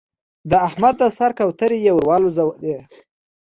د احمد د سر کوترې يې ور والوزولې.